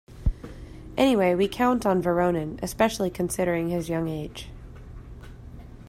Anyway, we count on Voronin, especially considering his young age.